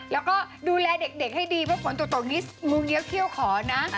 แล้วก็ดูแลเด็กให้ดีเพราะฝนตกนี่งูเงี้ยเขี้ยวขอนะ